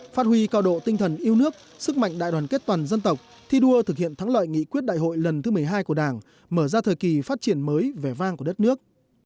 phát huy cao độ tinh thần yêu nước sức mạnh đại đoàn kết toàn dân tộc thi đua thực hiện thắng lợi nghị quyết đại hội lần thứ một mươi hai của đảng mở ra thời kỳ phát triển mới vẻ vang của đất nước